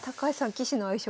棋士の相性